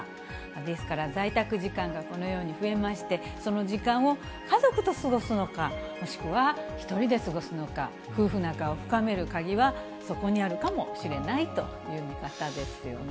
ですから、在宅時間がこのように増えまして、その時間を家族と過ごすのか、もしくは１人で過ごすのか、夫婦仲を深める鍵はそこにあるかもしれないという見方ですよね。